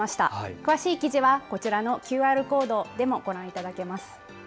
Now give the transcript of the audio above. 詳しい記事はこちらのＱＲコードでもご覧いただけます。